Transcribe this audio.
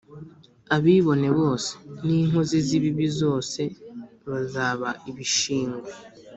abibone bose n’inkozi z’ibibi zose bazaba ibishingwe